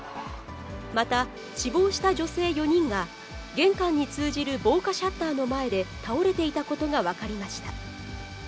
また、死亡した女性４人が、玄関に通じる防火シャッターの前で倒れていたことが分かりました。